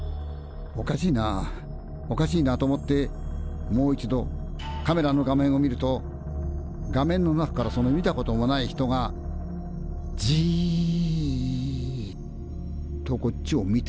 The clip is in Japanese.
「おかしいなおかしいな」と思ってもう一度カメラの画面を見ると画面の中からその見たこともない人がじっとこっちを見てんだ。